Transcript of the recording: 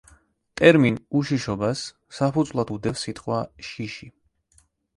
ტერმინ „უშიშობა“–ს საფუძვლად უდევს სიტყვა „შიში“.